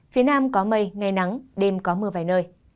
phía nam có mây ngày nắng đêm có mưa vài nơi